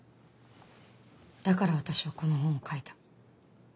だから私はこの本を書いた。